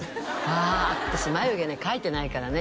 あ私眉毛ね描いてないからね